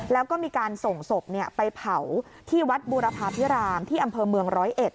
แล้วก็มีการส่งศพเนี่ยไปเผาที่วัดบูรพาพิรามที่อำเภอเมือง๑๐๑